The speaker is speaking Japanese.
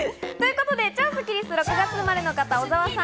超スッキりすは６月生まれの方、小澤さん。